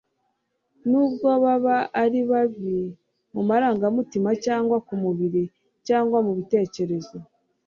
nubwo baba ari babi mumarangamutima cyangwa kumubiri cyangwa mubitekerezo